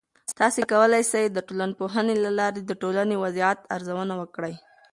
تاسې کولای سئ د ټولنپوهنې له لارې د ټولنې وضعیت ارزونه وکړئ.